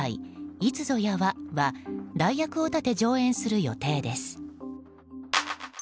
「いつぞやは」は代役を立て上演する予定です。